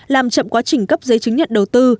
làm chậm quá trình cấp giấy chứng nhận đầu tư